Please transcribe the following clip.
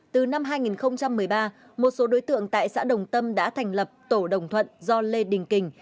từ năm hai nghìn một mươi ba một số đối tượng tại xã đồng tâm đã thành lập tổ đồng thuận do lê đình kình